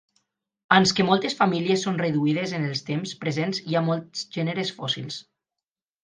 Ans que moltes famílies són reduïdes en els temps presents, hi ha molts gèneres fòssils.